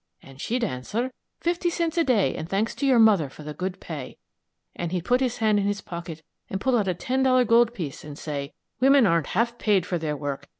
and she'd answer, 'Fifty cents a day, and thanks to your mother for the good pay;' and he'd put his hand in his pocket and pull out a ten dollar gold piece and say, 'Women aren't half paid for their work!